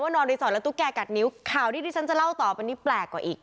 ว่านอนดีสองแล้วตุ๊กแก่กัดนิ้วข่าวที่ดิฉันจะเล่าต่อเป็นนี่แปลกกว่าอีก